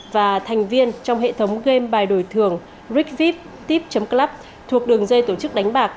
và thành viên trong hệ thống game bài đổi thường rigviptip club thuộc đường dây tổ chức đánh bạc